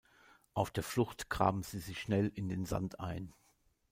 Auf der Flucht graben sie sich schnell in den Sand ein.